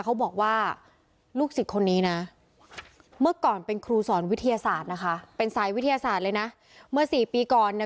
เขาบอกว่าลูกศิษย์คนนี้นะเมื่อก่อนเป็นครูสอนวิทยาศาสตร์นะคะ